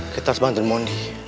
kita harus bantu mondi